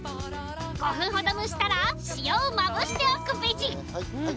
５分ほど蒸したら塩をまぶしておくベジはい。